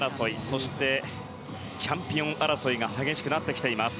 そして、チャンピオン争いが激しくなってきています。